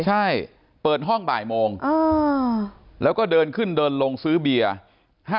ใช่เปิดห้องบ่ายโมงแล้วก็เดินขึ้นเดินลงซื้อเบียร์